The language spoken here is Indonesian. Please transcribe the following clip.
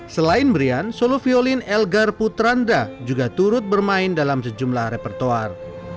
selain berian solo violin elgar putranda juga turut bermain dalam sejumlah repertoar